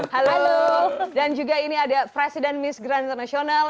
halo dan juga ini ada presiden miss grand international